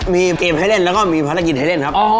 มีเกมให้เล่นแล้วก็มีภารกิจให้เล่นครับ